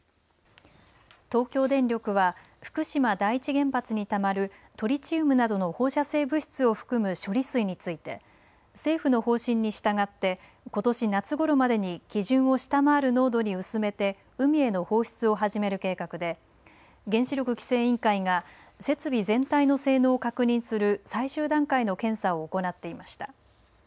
東京電力は福島第一原発にたまるトリチウムなどの放射性物質を含む処理水について政府の方針に従ってことし夏ごろまでに基準を下回る濃度に薄めて海への放出を始める計画で原子力規制委員会が設備全体の性能を確認する最終段階の検査を行っていました。